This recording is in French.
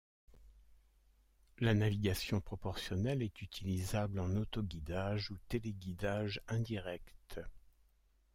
La navigation proportionnelle est utilisable en autoguidage ou téléguidage indirect.